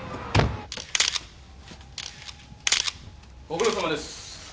ご苦労さまです。